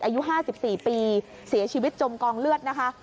อายุ๕๔ปีเสียชีวิตจมกองเลือดนะคะ